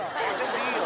いいよ！